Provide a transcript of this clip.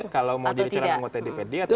kalau mau jadi calon anggota dpd atau